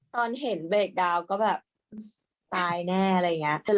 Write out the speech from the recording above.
ตอนเห็นเบรกดาวก็แบบตายแน่อะไรอย่างนี้